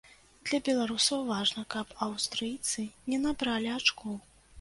Для беларусаў важна, каб аўстрыйцы не набралі ачкоў.